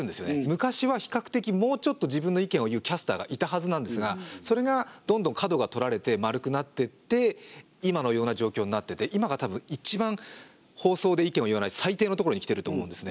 昔は比較的もうちょっと自分の意見を言うキャスターがいたはずなんですがそれがどんどん角が取られて丸くなっていって今のような状況になってて今がたぶん一番放送で意見を言わない最低のところにきてると思うんですね。